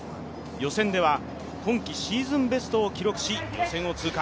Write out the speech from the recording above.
予選では今季シーズンベストを記録し、予選を通過。